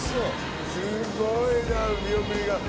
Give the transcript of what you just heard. すごいじゃん見送りが。